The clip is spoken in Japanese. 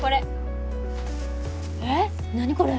何これ？